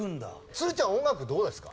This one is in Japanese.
鶴ちゃん音楽どうですか？